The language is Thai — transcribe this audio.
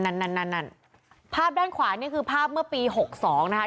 นั่นนั่นนั่นภาพด้านขวานี่คือภาพเมื่อปีหกสองนะคะ